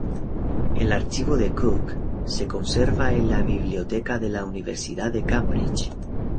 El archivo de Cooke se conserva en la biblioteca de la Universidad de Cambridge.